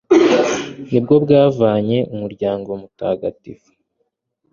ni bwo bwavanye umuryango mutagatifu